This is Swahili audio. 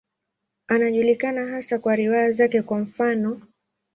Anajulikana hasa kwa riwaya zake, kwa mfano.